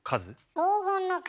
黄金の数。